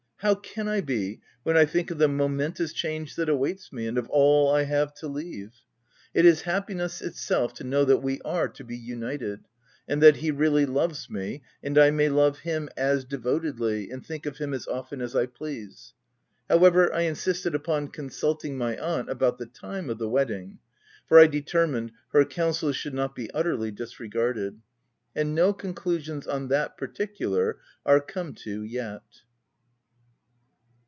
How can I be, when I think of the momentous change that awaits me, and of all I have to leave ? It is happiness enough, to know that we are to be united ; and that he really loves me, and I may love him as devotedly, and think of him as often as I please. However, I insisted upon consulting my aunt about the time of the wedding, for I determined her counsels should not be utterly disregarded ; and no conclusions on that particular are come to yet.